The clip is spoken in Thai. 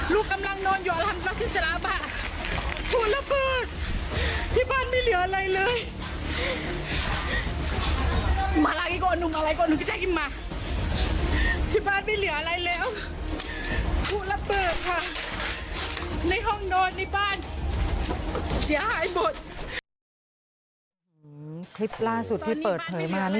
ลูกกำลังนอนอยู่อรังกฤษฎราบะ